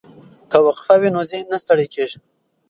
که وقفه وي نو ذهن نه ستړی کیږي.